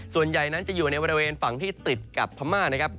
ส่วนใหญ่นั้นจะอยู่ในบริเวณฝั่งที่ติดกับพม่านะครับ